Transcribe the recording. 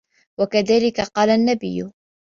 وَكَذَلِكَ قَالَ النَّبِيُّ